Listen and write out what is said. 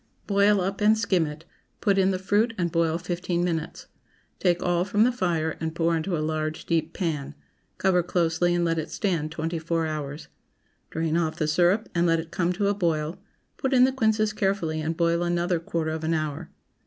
Boil up and skim it, put in the fruit and boil fifteen minutes. Take all from the fire and pour into a large deep pan. Cover closely and let it stand twenty four hours. Drain off the syrup and let it come to a boil; put in the quinces carefully and boil another quarter of an hour.